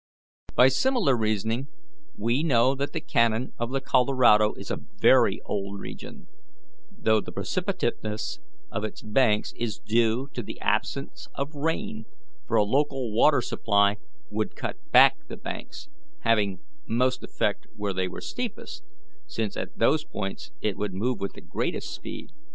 By similar reasoning, we know that the canon of the Colorado is a very old region, though the precipitateness of its banks is due to the absence of rain, for a local water supply would cut back the banks, having most effect where they were steepest, since at those points it would move with the greatest speed.